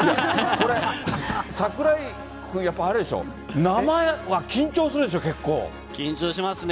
これ、櫻井君、やっぱりあれでしょ、生は緊張するでしょ、結緊張しますね。